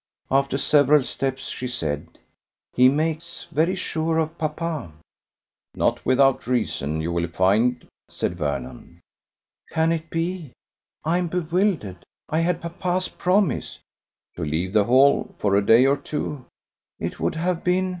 After several steps she said: "He makes very sure of papa." "Not without reason, you will find," said Vernon. "Can it be? I am bewildered. I had papa's promise." "To leave the Hall for a day or two." "It would have been